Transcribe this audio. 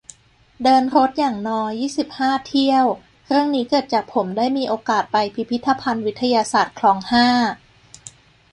เดินรถอย่างน้อย ยี่สิบห้า เที่ยว เรื่องนี้เกิดจากผมได้มีโอกาสไปพิพิธภัณฑ์ วิทยาศาสตร์ คลอง ห้า